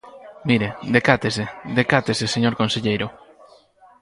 Mire, decátese; decátese, señor conselleiro.